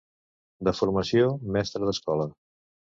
De formació, mestre d’escola.